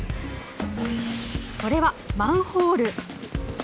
それはマンホール。